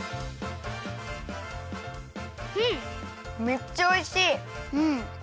めっちゃおいしい！